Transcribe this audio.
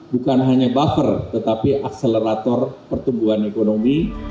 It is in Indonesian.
bukan hanya buffer tetapi akselerator pertumbuhan ekonomi